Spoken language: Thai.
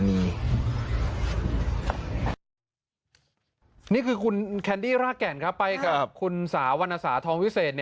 นี่คือคุณแคนดี้รากแก่นไปกับคุณสาวรรณสาทองวิเศษ